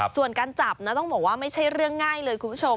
ส่วนการจับนะต้องบอกว่าไม่ใช่เรื่องง่ายเลยคุณผู้ชม